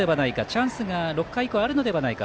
チャンスが６回以降あるのではないか。